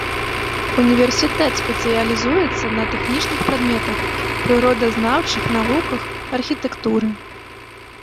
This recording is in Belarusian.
Універсітэт спецыялізуецца на тэхнічных прадметах, прыродазнаўчых навуках, архітэктуры.